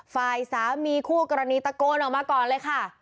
ฝ่ายสามีคู่กรณีตะโกนออกมาก่อนเลยค่ะ